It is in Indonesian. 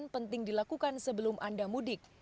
dan penting dilakukan sebelum anda mudik